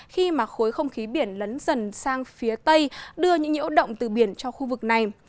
khi mà khối không khí biển lấn dần sang phía tây đưa những nhiễu động từ biển cho khu vực này